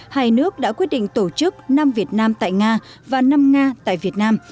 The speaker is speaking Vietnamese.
hai nước đã quyết định tổ chức năm việt nam tại nga và năm nga tại việt nam